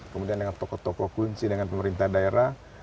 kemudian dengan tokoh tokoh kunci dengan pemerintah daerah